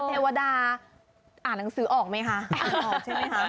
เทวดาอ่านหนังสือออกไหมคะอ่านออกใช่ไหมคะ